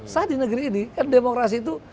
saya di negeri ini kan demokrasi itu